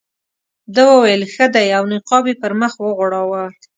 ده وویل ښه دی او نقاب یې پر مخ وغوړاوه.